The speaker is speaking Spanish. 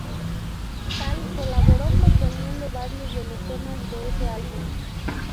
Hall colaboró componiendo varios de los temas de ese álbum.